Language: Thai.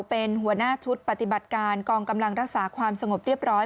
เป็นหัวหน้าชุดปฏิบัติการกองกำลังรักษาความสงบเรียบร้อย